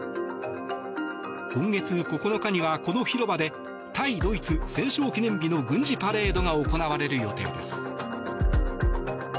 今月９日には、この広場で対ドイツ戦勝記念日の軍事パレードが行われる予定です。